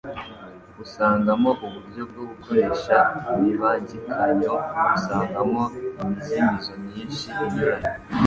usangamo uburyo bwo gukoresha imibangikanyo; usangamo imizimizo myinshi inyuranye.